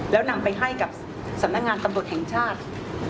แล้วนำไปให้กับสำนักงานตำรวจแห่งชาติ